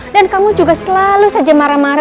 dan kamu juga selalu saja marah marah